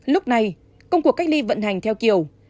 lúc này công cuộc cách ly vận hành theo kiểu